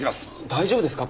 大丈夫ですか？